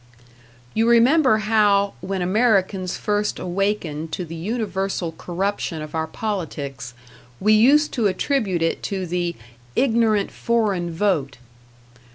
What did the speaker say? You remember how, when Americans first awakened to the universal corruption of our politics, we used to attribute it to the "ignorant foreign vote."